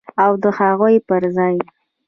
او د هغوی پر ځای